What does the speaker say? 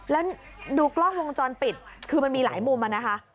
แล้วดูกล้องวงจรปิดคือมันมีหลายมุมอะนะคะ